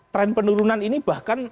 tren penurunan ini bahkan